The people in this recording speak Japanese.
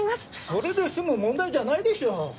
それで済む問題じゃないでしょう。